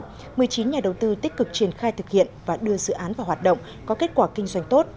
trong buổi họp mặt một mươi chín nhà đầu tư tích cực triển khai thực hiện và đưa dự án và hoạt động có kết quả kinh doanh tốt